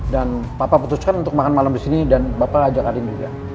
dan papa putuskan untuk makan malem disini dan bapak ajak adiknya juga